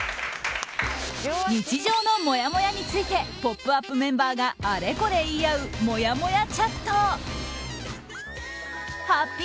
日常のもやもやについて「ポップＵＰ！」メンバーがあれこれ言い合うもやもやチャット。